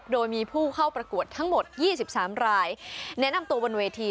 โดยมีผู้เข้าประกวดทั้งหมด๒๓รายแนะนำตัวบนเวที